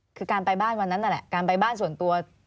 คือการไปบ้านวันนั้นนั่นแหละการไปบ้านส่วนตัว